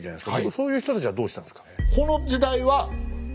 そういう人たちはどうしたんですかね。